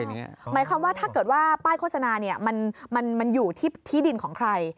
หมายความว่าถ้าเกิดว่าป้ายโฆษณามันอยู่ที่ดินของใคร